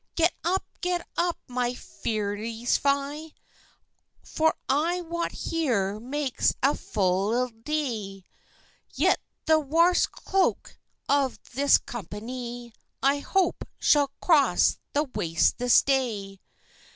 "Get up, get up, my feiries five! For I wot here makes a fu' ill day; Yet the warst cloak of this companie, I hope, shall cross the Waste this day."